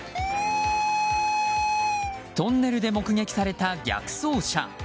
トンネルで目撃された逆走車。